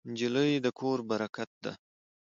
نجلۍ د کورنۍ برکت ده.